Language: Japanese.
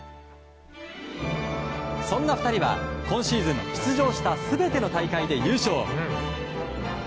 そんな２人は今シーズン出場した全ての大会で優勝。